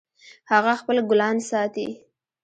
هغه خپل ګلان ساتي